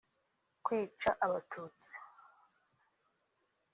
kwica Abatutsi